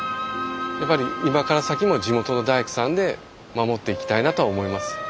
やっぱり今から先も地元の大工さんで守っていきたいなとは思います。